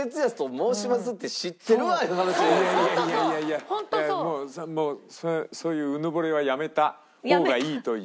いやもうそういううぬぼれはやめた方がいいという。